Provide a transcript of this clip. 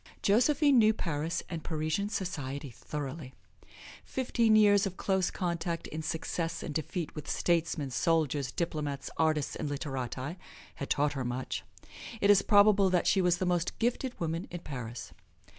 Josephine knew Paris and Parisian society thoroughly. Fifteen years of close contact in success and defeat with statesmen, soldiers, diplomats, artists and literati had taught her much. It is probable that she was the most gifted woman in Paris.